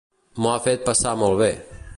M'ho ha fet passar molt bé.